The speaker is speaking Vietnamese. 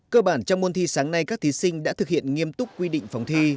cơ bản trong môn thi sáng nay các thí sinh đã thực hiện nghiêm túc quy định phòng thi